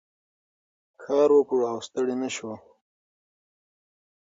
کار وکړو او ستړي نه شو.